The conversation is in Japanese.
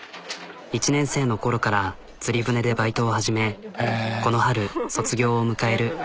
１年生のころからつり舟でバイトを始めこの春卒業を迎える。